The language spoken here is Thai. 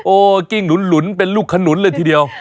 กิ้งหลุนเป็นลูกขนุนเลยทีเดียว